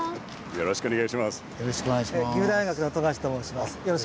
よろしくお願いします。